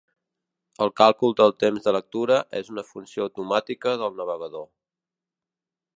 El càlcul del temps de lectura és una funció automàtica del navegador.